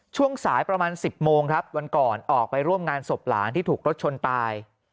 ช่วงสายประมาณ๑๐โมงครับวันก่อนออกไปร่วมงานศพหลานที่ถูกรถชนตาย